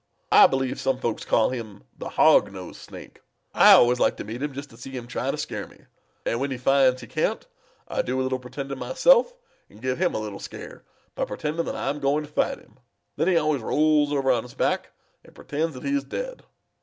I believe some folks call him the Hog nosed Snake. I always like to meet him just to see him try to scare me, and when he finds he can't, I do a little pretending myself and give him a little scare by pretending that I am going to fight him. Then he always rolls over on his back and pretends that he is dead.